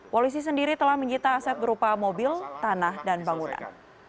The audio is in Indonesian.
polisi sendiri telah menyita aset berupa mobil tanah dan bangunan